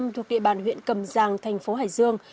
thuộc địa bàn huyện cầm giang thành phố hải dương